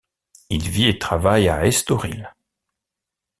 Il vit et travaille à Estoril.